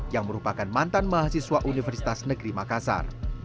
yang merupakan mantan mahasiswa universitas negeri makassar